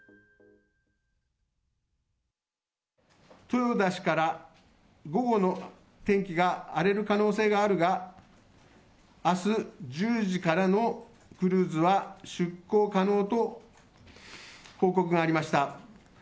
豊田氏から午後の天気が荒れる可能性があるが、あす１０時からのクルーズは出航可能と報告がありました。